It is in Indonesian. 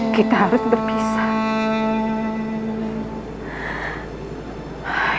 kita harus berpisah